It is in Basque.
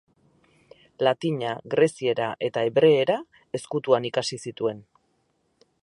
Latina, greziera eta hebreera ezkutuan ikasi zituen.